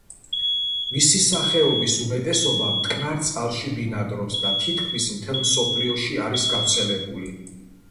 მისი სახეობების უმეტესობა მტკნარ წყალში ბინადრობს და თითქმის მთელ მსოფლიოში არის გავრცელებული.